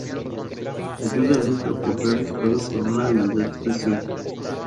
Ayuda a Luke a forjar espadas con una habilidad especial.